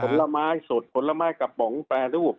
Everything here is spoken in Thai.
ผลไม้สดผลไม้กระป๋องแปรรูป